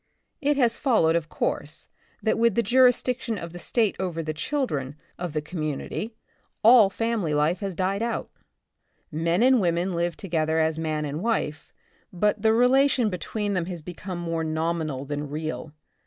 It has followed, of course, that with the juris diction of the state over the children of the 4© The Republic of the Future, community, all family life has died out. Men and women live together as man and wife, but the relation between them has become more nominal than real.